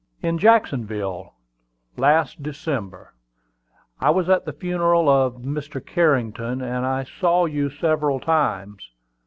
"In Jacksonville, last December. I was at the funeral of Mr. Carrington, and I saw you several times.